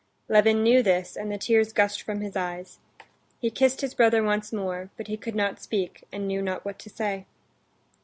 Levin knew this, and the tears gushed from his eyes. He kissed his brother once more, but he could not speak, and knew not what to say.